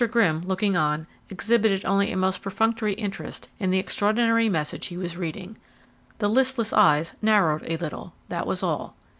Grimm, looking on, exhibited only a most perfunctory interest in the extraordinary message he was reading; the listless eyes narrowed a little, that was all.